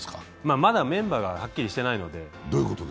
まだメンバーがはっきりしていないので。